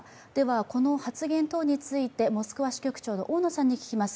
この発言等についてモスクワ支局長の大野さんに聞きます。